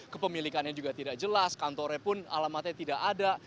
kepemilikannya juga tidak jelas kantornya pun alamatnya tidak ada